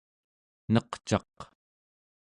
neqcaq